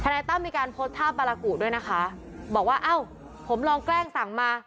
นายตั้มมีการโพสต์ภาพบารากุด้วยนะคะบอกว่าเอ้าผมลองแกล้งสั่งมา